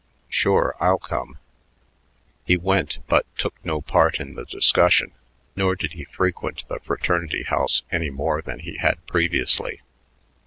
"Sure, I'll come." He went but took no part in the discussion, nor did he frequent the fraternity house any more than he had previously.